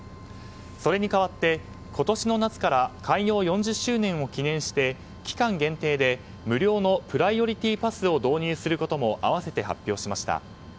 それにかわって、今年の夏から開業４０周年を記念して期間限定で無料のプライオリティパスを導入することも併せて発表しました。